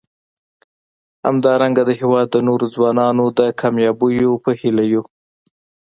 همدارنګه د هیواد د نورو ځوانانو د کامیابیو په هیله یو.